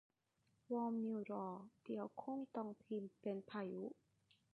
วอร์มนิ้วรอ เดี๋ยวคงต้องพิมพ์เป็นพายุ